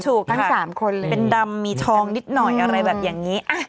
ถูกทั้ง๓คนเลยเป็นดำมีทองนิดหน่อยอะไรแบบอย่างนี้